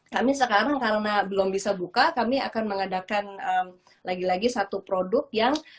kami sekarang karena belum bisa buka kami akan mengadakan lagi lagi satu produk yang